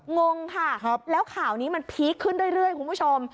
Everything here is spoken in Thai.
งงค่ะแล้วข่าวนี้มันพีคขึ้นเรื่อยคุณผู้ชม